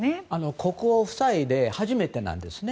国王夫妻で初めてなんですね。